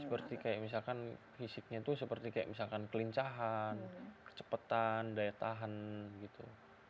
seperti kayak misalkan fisiknya itu seperti kayak misalkan kelincahan kecepatan daya tahan gitu